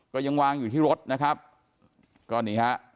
ก็ยังวางอยู่ที่รถนะครับก็นี่ฮะ